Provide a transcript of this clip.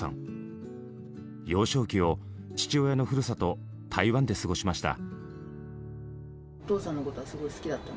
幼少期を父親のふるさと台湾で過ごしました。